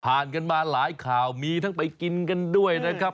กันมาหลายข่าวมีทั้งไปกินกันด้วยนะครับ